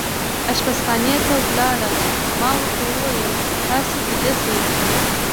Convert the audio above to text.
اشپزخانې ته ولاړ، ما ورته وویل: تاسې ویده شئ.